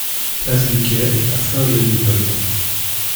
Place Du Quai à Saint-Geniez-d'Olt